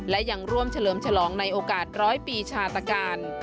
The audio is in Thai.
และยังร่วมเฉลิมฉลองในโอกาสร้อยปีชาตการ